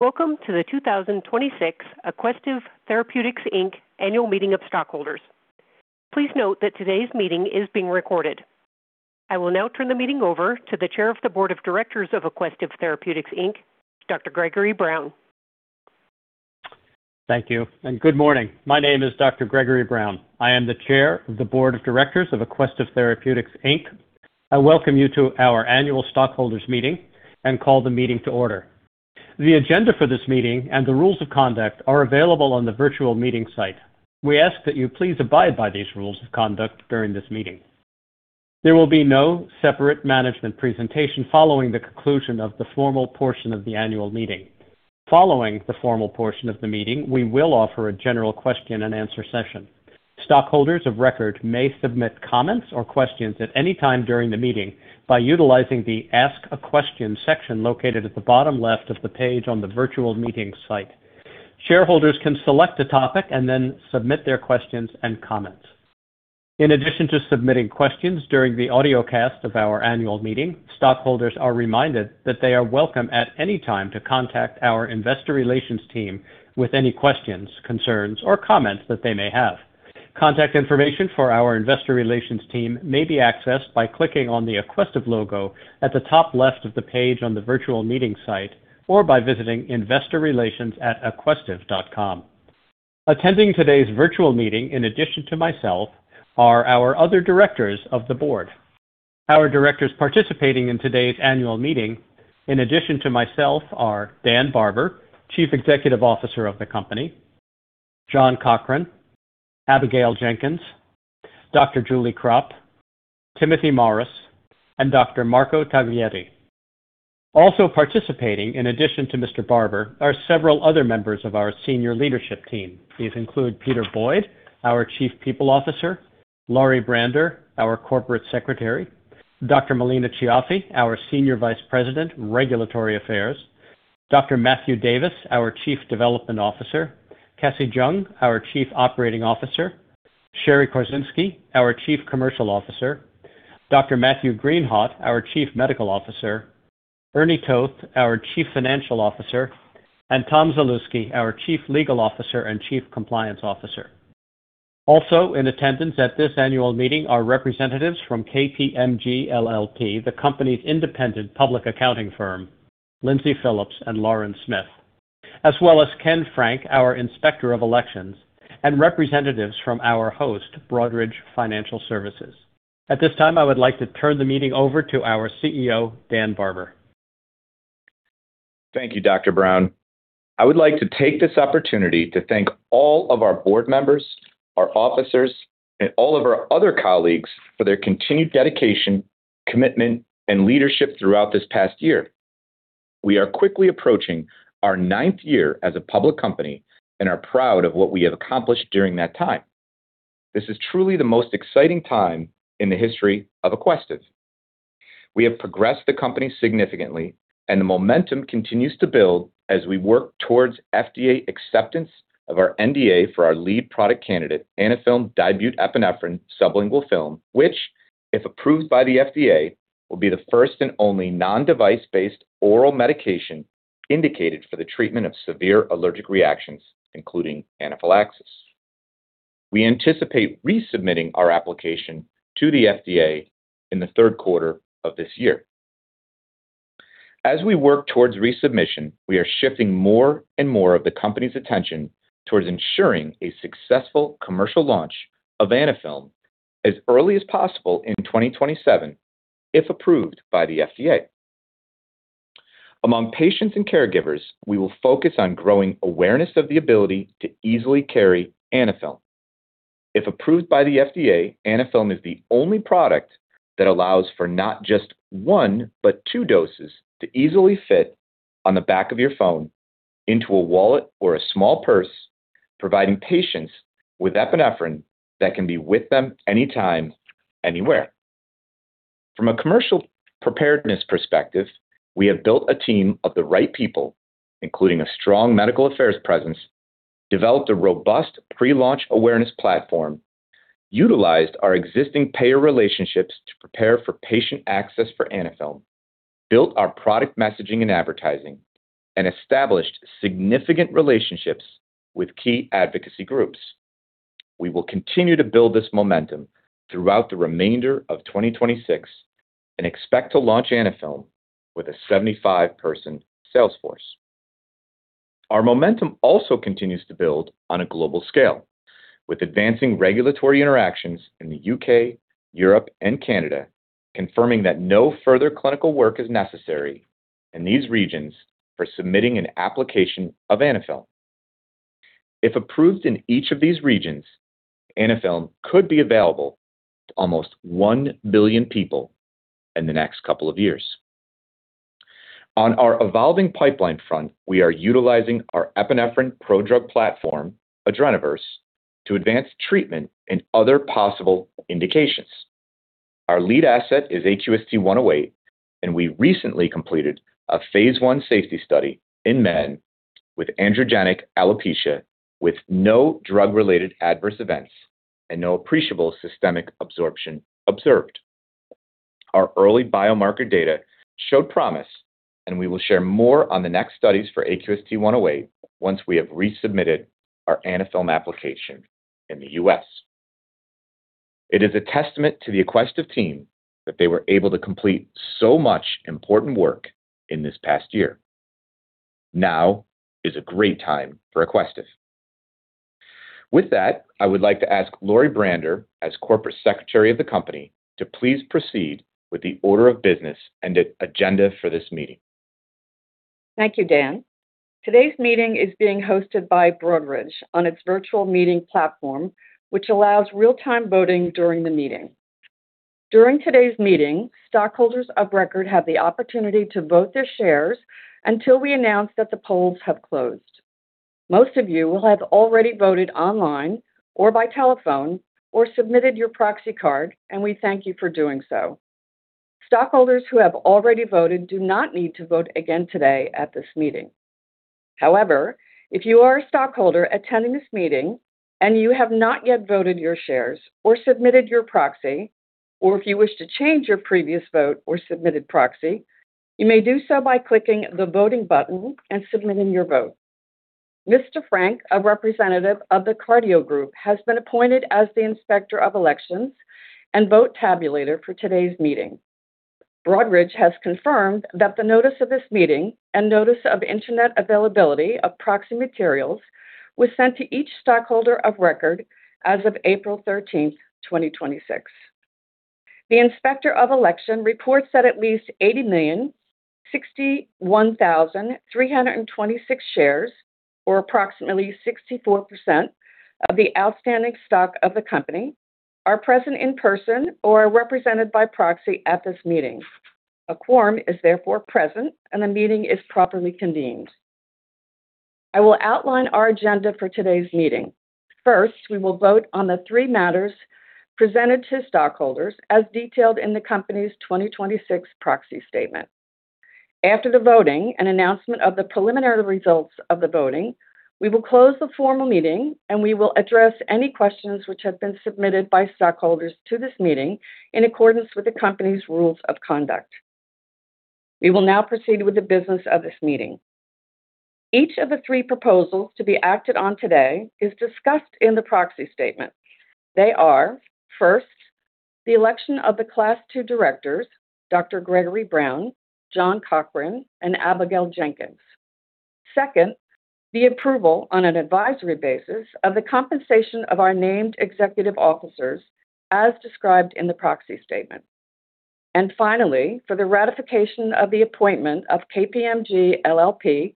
Welcome to the 2026 Aquestive Therapeutics, Inc. Annual Meeting of Stockholders. Please note that today's meeting is being recorded. I will now turn the meeting over to the Chair of the Board of Directors of Aquestive Therapeutics, Inc., Dr. Gregory Brown. Thank you. Good morning. My name is Dr. Gregory Brown. I am the Chair of the Board of Directors of Aquestive Therapeutics, Inc. I welcome you to our annual stockholders meeting and call the meeting to order. The agenda for this meeting and the rules of conduct are available on the virtual meeting site. We ask that you please abide by these rules of conduct during this meeting. There will be no separate management presentation following the conclusion of the formal portion of the annual meeting. Following the formal portion of the meeting, we will offer a general question and answer session. Stockholders of record may submit comments or questions at any time during the meeting by utilizing the Ask a Question section located at the bottom left of the page on the virtual meeting site. Shareholders can select a topic and then submit their questions and comments. In addition to submitting questions during the audiocast of our annual meeting, stockholders are reminded that they are welcome at any time to contact our investor relations team with any questions, concerns, or comments that they may have. Contact information for our investor relations team may be accessed by clicking on the Aquestive logo at the top left of the page on the virtual meeting site, or by visiting investorrelations@aquestive.com. Attending today's virtual meeting, in addition to myself, are our other directors of the Board. Our directors participating in today's annual meeting, in addition to myself, are Dan Barber, Chief Executive Officer of the company, John Cochran, Abigail Jenkins, Dr. Julie Krop, Timothy Morris, and Dr. Marco Taglietti. Also participating, in addition to Mr. Barber, are several other members of our senior leadership team. These include Peter Boyd, our Chief People Officer, Lori Braender, our Corporate Secretary, Dr. Melina Cioffi, our Senior Vice President, Regulatory Affairs, Dr. Matthew Davis, our Chief Development Officer, Cassie Jung, our Chief Operating Officer, Sherry Korczynski, our Chief Commercial Officer, Dr. Matthew Greenhawt, our Chief Medical Officer, Ernie Toth, our Chief Financial Officer, and Tom Zalewski, our Chief Legal Officer and Chief Compliance Officer. Also in attendance at this annual meeting are representatives from KPMG LLP, the company's independent public accounting firm, Lindsay Phillips and Lauren Smith. As well as Ken Frank, our Inspector of Elections, and representatives from our host, Broadridge Financial Solutions. At this time, I would like to turn the meeting over to our CEO, Dan Barber. Thank you, Dr. Brown. I would like to take this opportunity to thank all of our board members, our officers, and all of our other colleagues for their continued dedication, commitment, and leadership throughout this past year. We are quickly approaching our ninth year as a public company and are proud of what we have accomplished during that time. This is truly the most exciting time in the history of Aquestive. We have progressed the company significantly and the momentum continues to build as we work towards FDA acceptance of our NDA for our lead product candidate, Anaphylm dibutepinephrine sublingual film, which, if approved by the FDA, will be the first and only non-device-based oral medication indicated for the treatment of severe allergic reactions, including anaphylaxis. We anticipate resubmitting our application to the FDA in the third quarter of this year. As we work towards resubmission, we are shifting more and more of the company's attention towards ensuring a successful commercial launch of Anaphylm as early as possible in 2027, if approved by the FDA. Among patients and caregivers, we will focus on growing awareness of the ability to easily carry Anaphylm. If approved by the FDA, Anaphylm is the only product that allows for not just one, but two doses to easily fit on the back of your phone, into a wallet or a small purse, providing patients with epinephrine that can be with them anytime, anywhere. From a commercial preparedness perspective, we have built a team of the right people, including a strong medical affairs presence, developed a robust pre-launch awareness platform, utilized our existing payer relationships to prepare for patient access for Anaphylm, built our product messaging and advertising, and established significant relationships with key advocacy groups. We will continue to build this momentum throughout the remainder of 2026 and expect to launch Anaphylm with a 75-person sales force. Our momentum also continues to build on a global scale, with advancing regulatory interactions in the U.K., Europe, and Canada, confirming that no further clinical work is necessary in these regions for submitting an application of Anaphylm. If approved in each of these regions, Anaphylm could be available to almost 1 billion people in the next couple of years. On our evolving pipeline front, we are utilizing our epinephrine prodrug platform, AdrenaVerse, to advance treatment in other possible indications. Our lead asset is AQST-108, and we recently completed a phase I safety study in men with androgenic alopecia with no drug-related adverse events and no appreciable systemic absorption observed. Our early biomarker data showed promise, and we will share more on the next studies for AQST-108 once we have resubmitted our Anaphylm application in the U.S. It is a testament to the Aquestive team that they were able to complete so much important work in this past year. Now is a great time for Aquestive. With that, I would like to ask Lori Braender, as Corporate Secretary of the company, to please proceed with the order of business and the agenda for this meeting. Thank you, Dan. Today's meeting is being hosted by Broadridge on its virtual meeting platform, which allows real-time voting during the meeting. During today's meeting, stockholders of record have the opportunity to vote their shares until we announce that the polls have closed. Most of you will have already voted online or by telephone or submitted your proxy card, and we thank you for doing so. Stockholders who have already voted do not need to vote again today at this meeting. However, if you are a stockholder attending this meeting and you have not yet voted your shares or submitted your proxy, or if you wish to change your previous vote or submitted proxy, you may do so by clicking the Voting button and submitting your vote. Mr. Frank, a representative of the Carideo Group, has been appointed as the Inspector of Elections and vote tabulator for today's meeting. Broadridge has confirmed that the notice of this meeting and notice of internet availability of proxy materials was sent to each stockholder of record as of April 13th, 2026. The Inspector of Election reports that at least 80,061,326 shares, or approximately 64% of the outstanding stock of the company, are present in person or represented by proxy at this meeting. A quorum is therefore present, and the meeting is properly convened. I will outline our agenda for today's meeting. First, we will vote on the three matters presented to stockholders as detailed in the company's 2026 proxy statement. After the voting and announcement of the preliminary results of the voting, we will close the formal meeting, and we will address any questions which have been submitted by stockholders to this meeting in accordance with the company's rules of conduct. We will now proceed with the business of this meeting. Each of the three proposals to be acted on today is discussed in the proxy statement. They are, first, the election of the Class II directors, Dr. Gregory Brown, John Cochran, and Abigail Jenkins. Second, the approval on an advisory basis of the compensation of our named executive officers as described in the proxy statement. Finally, for the ratification of the appointment of KPMG LLP,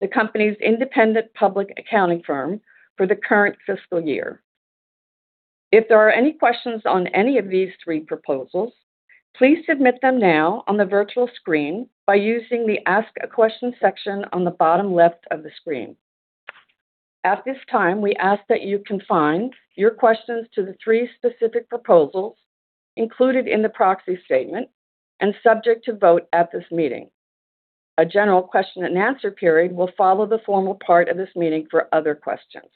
the company's independent public accounting firm for the current fiscal year. If there are any questions on any of these three proposals, please submit them now on the virtual screen by using the Ask a Question section on the bottom left of the screen. At this time, we ask that you confine your questions to the three specific proposals included in the proxy statement and subject to vote at this meeting. A general question and answer period will follow the formal part of this meeting for other questions.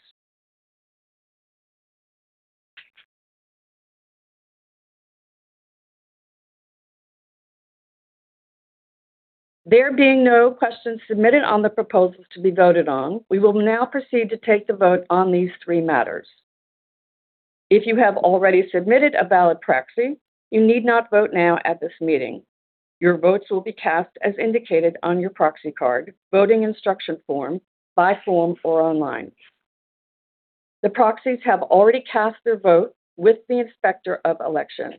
There being no questions submitted on the proposals to be voted on, we will now proceed to take the vote on these three matters. If you have already submitted a valid proxy, you need not vote now at this meeting. Your votes will be cast as indicated on your proxy card, voting instruction form, by form, or online. The proxies have already cast their vote with the Inspector of Election.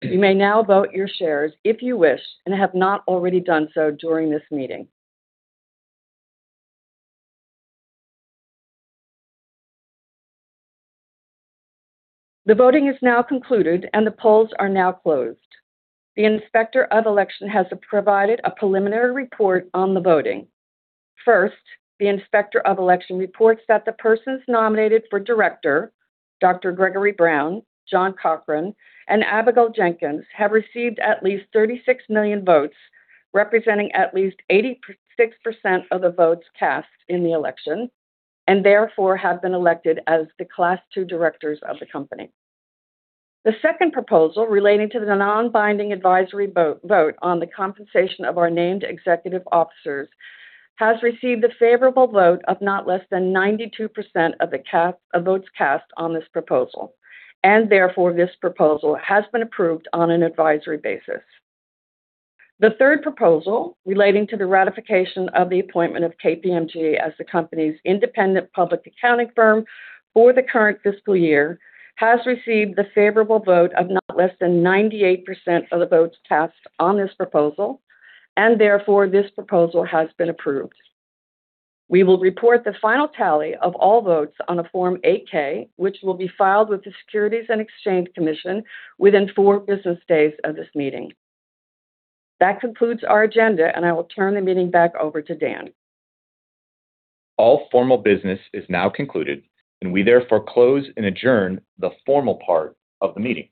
You may now vote your shares if you wish and have not already done so during this meeting. The voting is now concluded, and the polls are now closed. The Inspector of Election has provided a preliminary report on the voting. First, the Inspector of Elections reports that the persons nominated for director, Dr. Gregory Brown, John Cochran, and Abigail Jenkins, have received at least 36 million votes, representing at least 86% of the votes cast in the election, and therefore have been elected as the Class II directors of the company. The second proposal relating to the non-binding advisory vote on the compensation of our named executive officers has received the favorable vote of not less than 92% of votes cast on this proposal, and therefore this proposal has been approved on an advisory basis. The third proposal relating to the ratification of the appointment of KPMG as the company's independent public accounting firm for the current fiscal year has received the favorable vote of not less than 98% of the votes cast on this proposal, and therefore this proposal has been approved. We will report the final tally of all votes on the Form 8-K, which will be filed with the Securities and Exchange Commission within four business days of this meeting. That concludes our agenda. I will turn the meeting back over to Dan. All formal business is now concluded. We therefore close and adjourn the formal part of the meeting.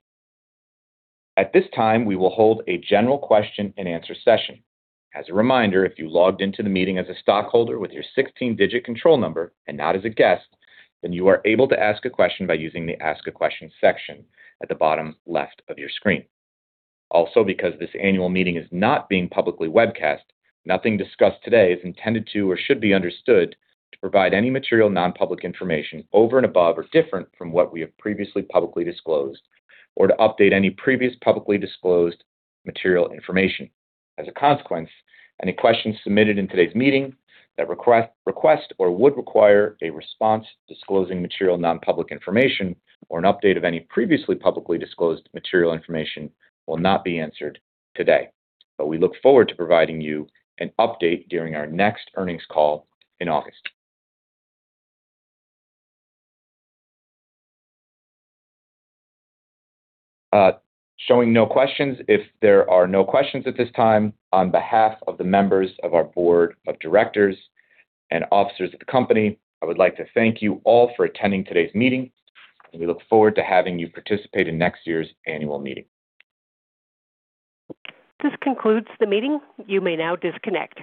At this time, we will hold a general question and answer session. As a reminder, if you logged into the meeting as a stockholder with your 16-digit control number and not as a guest, then you are able to ask a question by using the Ask a Question section at the bottom left of your screen. Because this annual meeting is not being publicly webcast, nothing discussed today is intended to or should be understood to provide any material non-public information over and above or different from what we have previously publicly disclosed or to update any previous publicly disclosed material information. As a consequence, any questions submitted in today's meeting that request or would require a response disclosing material non-public information or an update of any previously publicly disclosed material information will not be answered today. We look forward to providing you an update during our next earnings call in August. Showing no questions. If there are no questions at this time, on behalf of the members of our board of directors and officers of the company, I would like to thank you all for attending today's meeting. We look forward to having you participate in next year's annual meeting. This concludes the meeting. You may now disconnect.